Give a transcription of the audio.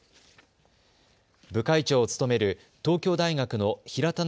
部会長を務める東京大学の平田直